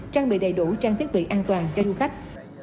trang bị đầy đủ trang thiết bị an toàn cho du khách